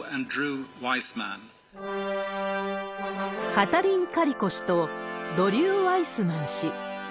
カタリン・カリコ氏とドリュー・ワイスマン氏。